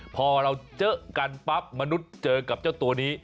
พอเราเจอกันปั๊บมนุษย์เจอกับเจ้าตัวนี้